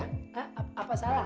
hah apa salah